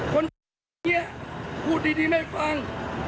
คนแบบเนี้ยพูดดีไม่ฟัง